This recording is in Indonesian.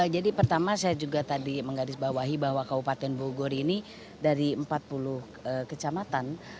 jadi pertama saya juga tadi menggarisbawahi bahwa kabupaten bogor ini dari empat puluh kecamatan